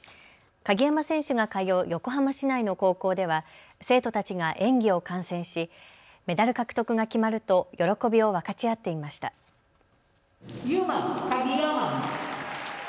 鍵山選手が通う横浜市内の高校では生徒たちが演技を観戦しメダル獲得が決まると喜びを分かち合っていました。